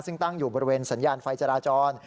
ซึ่งตั้งอยู่บริเวณสัญญาณไฟจราจร